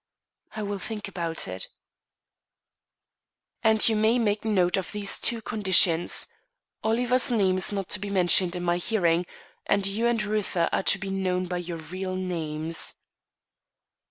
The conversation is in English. "I will think about it." "And you may make note of these two conditions: Oliver's name is not to be mentioned in my hearing, and you and Reuther are to be known by your real names."